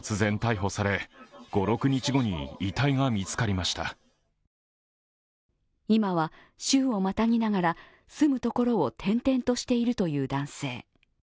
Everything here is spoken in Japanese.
そして今は州をまたぎながら住むところを転々としているという男性。